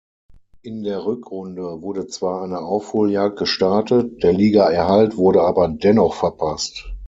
In der Rückrunde wurde zwar eine Aufholjagd gestartet, der Ligaerhalt wurde aber dennoch verpasst.